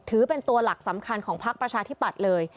ถือเป็นตัวหลักสำคัญของพักประชาธิปัตย์เลย